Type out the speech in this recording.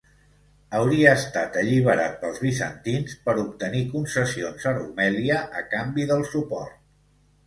Hauria estat alliberat pels bizantins per obtenir concessions a Rumèlia a canvi del suport.